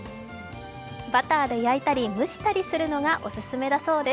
バターで焼いたり蒸したりするのがオススメだそうです。